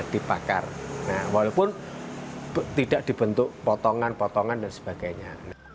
di pakar walaupun tidak dibentuk potongan potongan dan sebagainya